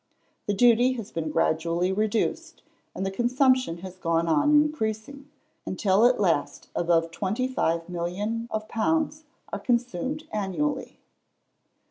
The duty has been gradually reduced, and the consumption has gone on increasing, until at last above 25,000,000 of pounds are consumed annually!